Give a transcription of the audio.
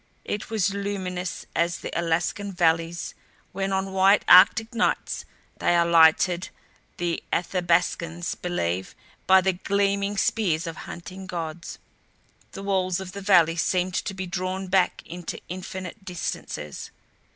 It was luminous as the Alaskan valleys when on white arctic nights they are lighted, the Athabascans believe, by the gleaming spears of hunting gods. The walls of the valley seemed to be drawn back into infinite distances.